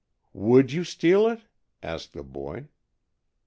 "Would you steal it?" asked the boy.